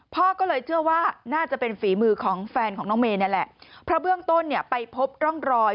พ่อก็เลยเชื่อว่าน่าจะเป็นฝีมือของแฟนของน้องเมย์นี่แหละเพราะเบื้องต้นเนี่ยไปพบร่องรอย